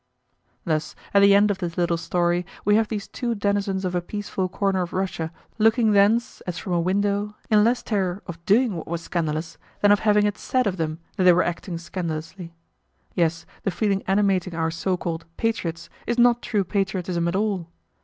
Thus at the end of this little story we have these two denizens of a peaceful corner of Russia looking thence, as from a window, in less terror of doing what was scandalous than of having it SAID of them that they were acting scandalously. Yes, the feeling animating our so called "patriots" is not true patriotism at all.